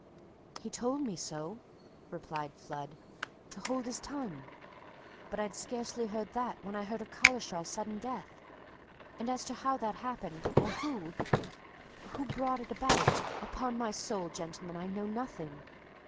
"He told me so," replied Flood. "To hold his tongue. But I'd scarcely heard that when I heard of Collishaw's sudden death. And as to how that happened, or who who brought it about upon my soul, gentlemen, I know nothing!